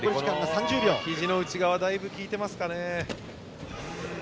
ひじの内側だいぶ効いてますかね。